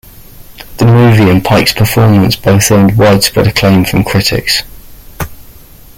The movie and Pike's performance both earned widespread acclaim from critics.